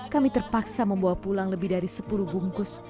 kami terpaksa membawa pulang lebih dari sepuluh bungkus